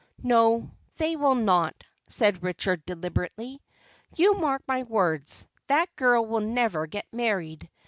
"No, they will not," said Richard deliberately. "You mark my words; that girl will never get married.